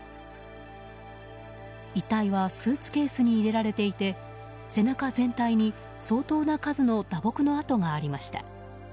遺体はスーツケースに入れられていて背中全体に相当な数の打撲の痕がありました。